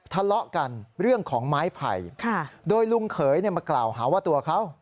ทะเลาะกันเรื่องของไม้ไผ่โดยลุงเขยมากล่าวหาว่าตัวเขา